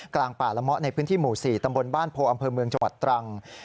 กลางป่าละเมาะในพื้นที่หมู่๔ตำบลบ้านโพอำเภอเมืองจังหวัดตรัง